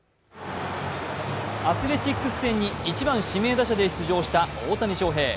アスレチックス戦に１番・指名打者で出場した大谷翔平。